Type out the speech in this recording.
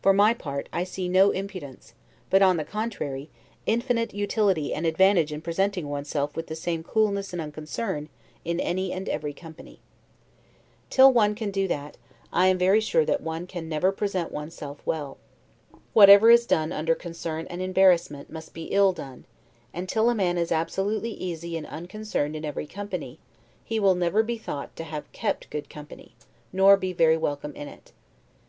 For my part, I see no impudence, but, on the contrary, infinite utility and advantage in presenting one's self with the same coolness and unconcern in any and every company. Till one can do that, I am very sure that one can never present one's self well. Whatever is done under concern and embarrassment, must be ill done, and, till a man is absolutely easy and unconcerned in every company, he will never be thought to have kept good company, nor be very welcome in it.